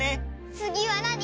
つぎはなに！？